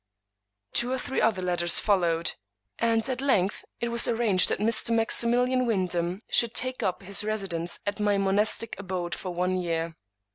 Two or three other letters followed; and at length it was arranged that Mr. Maximilian Wyndham should take up his residence at my monastic abode for one year.